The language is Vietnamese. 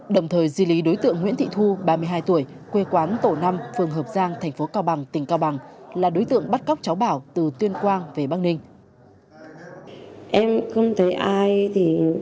đồng thời di lý đối tượng nguyễn thị thu ba mươi hai tuổi quê quán tổ năm phường hợp giang thành phố cao bằng tỉnh cao bằng là đối tượng bắt cóc cháu bảo từ tuyên quang về bắc ninh